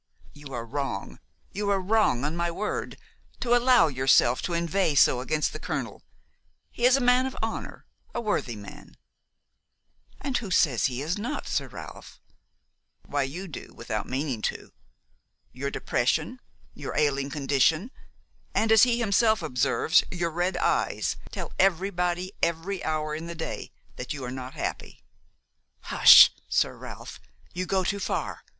"You are wrong, you are wrong, on my word, to allow yourself to inveigh so against the colonel; he is a man of honor, a worthy man." "And who says that he's not, Sir Ralph?" "Why, you do, without meaning to. Your depression, your ailing condition, and, as he himself observes, your red eyes, tell everybody every hour in the day that you are not happy." "Hush, Sir Ralph, you go too far.